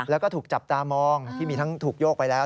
แล้วก็ถูกจับตามองที่มีทั้งถูกโยกไปแล้ว